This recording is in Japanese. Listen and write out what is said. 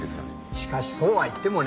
しかしそうは言ってもね。